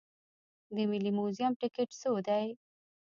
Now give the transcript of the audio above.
د ملي موزیم ټکټ څو دی؟